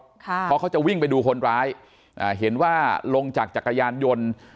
เพราะเขาจะวิ่งไปดูคนร้ายอ่าเห็นว่าลงจากจักรยานยนต์